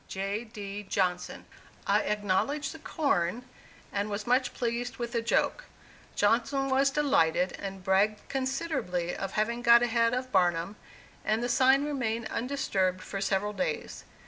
J. D. JOHNSON." I "acknowledged the corn," and was much pleased with the joke. Johnson was delighted, and bragged considerably of having got ahead of Barnum, and the sign remained undisturbed for several days.